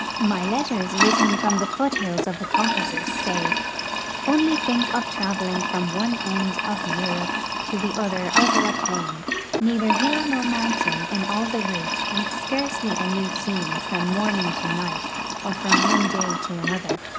My letters written from the foothills of the Caucasus say :" Onl}'' think of traveling from one end of Europe to the other over a plain, neither hill nor mountain in all the route, with scarcely a new scene from morning to night or from one day to another.